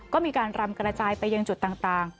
ก็มีการรำกระจายไปยังจุดต่าง